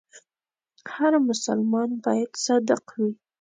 هر مسلمان باید صادق وي.